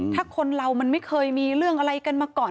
ถ้าคนเรามันไม่เคยมีเรื่องอะไรกันมาก่อน